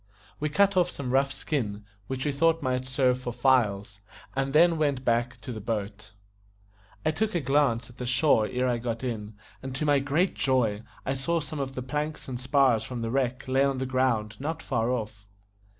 We cut off some rough skin, which we thought might serve for files, and then went back to the boat. I took a glance at the shore ere I got in, and to my great joy saw some of the planks and spars from the wreck lay on the ground not far off.